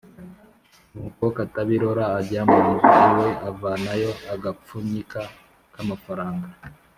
Nuko Katabirora ajya mu nzu iwe, avanayo agapfunyika k’amafaranga,